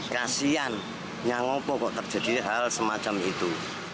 kasian nyangopo kok terjadi hal semacam itu